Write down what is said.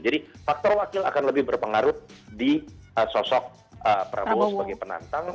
faktor wakil akan lebih berpengaruh di sosok prabowo sebagai penantang